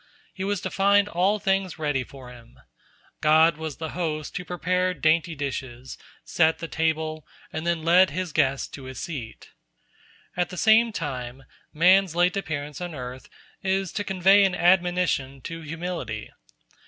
He was to find all things ready for him. God was the host who prepared dainty dishes, set the table, and then led His guest to his seat. At the same time man's late appearance on earth is to convey an admonition to humility.